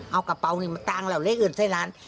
เอากระเป๋านี่มาตั้งเหล่าเลขอื่นใส่ร้าน